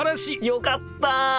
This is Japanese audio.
よかった！